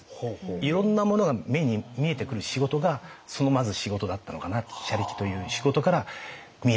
いろんなものが目に見えてくる仕事がそのまず仕事だったのかなと車力という仕事から見えてきたのかなと。